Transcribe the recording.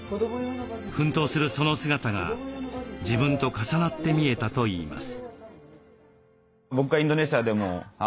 奮闘するその姿が自分と重なって見えたといいます。